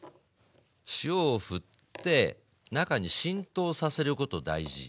塩をふって中に浸透させること大事。